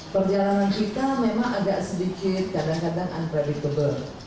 perjalanan kita memang agak sedikit kadang kadang unpredictable